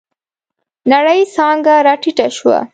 نرۍ څانگه راټيټه شوه.